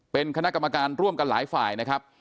เป็นคณะกรรมการร่วมกันหลายฝ่ายนะครับ